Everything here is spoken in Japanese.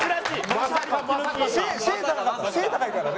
背高いからね。